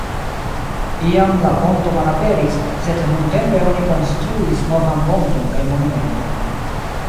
Iam la ponto malaperis, sed nuntempe oni konstruis novan ponton kaj monumenton.